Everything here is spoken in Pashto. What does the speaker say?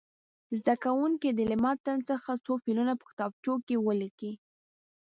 زده کوونکي دې له متن څخه څو فعلونه په کتابچو کې ولیکي.